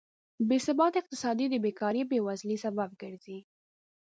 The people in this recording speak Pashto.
بېثباته اقتصاد د بېکارۍ او بېوزلۍ سبب ګرځي.